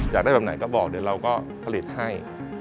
อยากได้แบบไหนก็บอกเดี๋ยวเราก็ผลิตให้